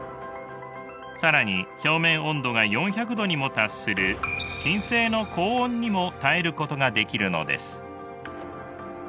更に表面温度が４００度にも達する金星の高温にも耐えることができるのです。